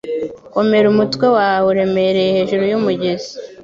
Komera umutwe wawe uremereye hejuru yumugezi;